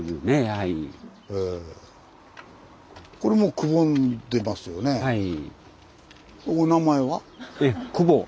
はい。